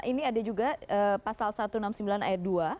ini ada juga pasal satu ratus enam puluh sembilan ayat dua